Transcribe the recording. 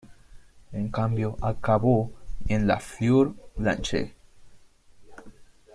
En cambio acabó en "La Fleur blanche.